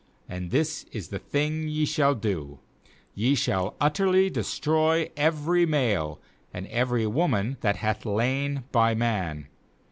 uAnd this is the thing that ye shall do: ye shall utterly destroy every male, and every woman that hath lain by man.'